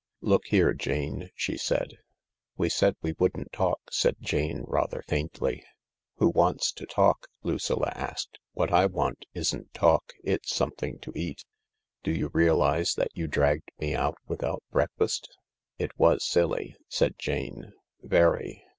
"Look here, Jane," she said. "We said we wouldn't talk," said Jane rather faintly. " Who wants to talk ?" Lucilla asked. " What I want isn't talk, it's something to eat. Do you realise that you dragged me out without breakfast ?"" It was silly," said Jane ;" very.